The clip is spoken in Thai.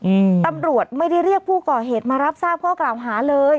อืมตำรวจไม่ได้เรียกผู้ก่อเหตุมารับทราบข้อกล่าวหาเลย